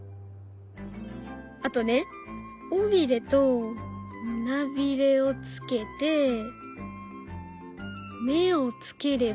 あとね尾びれと胸びれをつけて目をつければ。